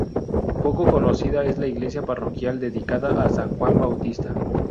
Poco conocida es la iglesia parroquial dedicada a San Juan Bautista.